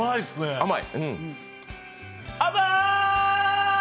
甘い！